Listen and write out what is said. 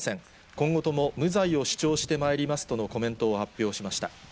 今後とも無罪を主張してまいりますとのコメントを発表しました。